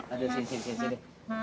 aduh sini sini sini